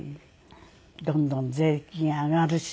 どんどん税金上がるし。